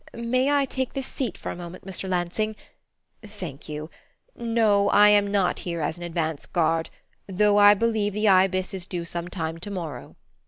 "May I take this seat for a moment, Mr. Lansing? Thank you. No, I am not here as an advance guard though I believe the Ibis is due some time to morrow."